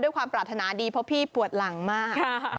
ความปรารถนาดีเพราะพี่ปวดหลังมาก